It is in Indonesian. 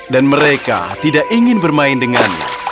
dan mereka tidak ingin bermain dengannya